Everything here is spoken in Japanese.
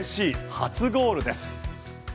初ゴールです。